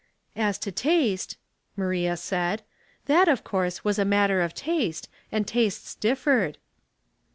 "As to taste," Maria said. "That, of course, was a matter of taste, and tastes differed."